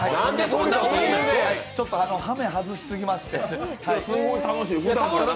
ちょっと、はめを外しすぎまして。